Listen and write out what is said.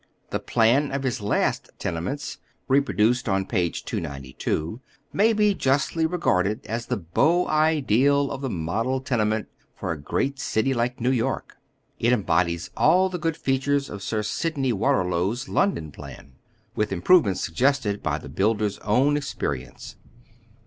The plan of bis last tenements, reproduced on p. 292, may be justly regarded as the beau ideal of the model tenement for a great city like New York. It embodies all the good features of Sir Sydney Waterlow's London plan, with improvements sug gested by the builder's own experience.